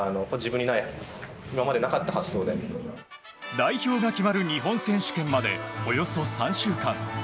代表が決まる日本選手権までおよそ３週間。